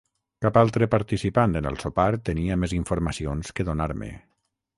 Cap altre participant en el sopar tenia més informacions que donar-me.